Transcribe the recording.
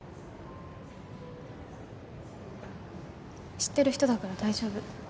知ってる人だから大丈夫。